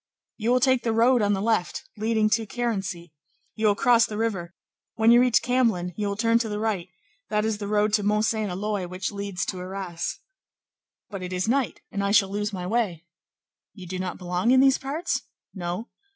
"You will take the road on the left, leading to Carency; you will cross the river; when you reach Camblin, you will turn to the right; that is the road to Mont Saint Éloy which leads to Arras." "But it is night, and I shall lose my way." "You do not belong in these parts?" "No."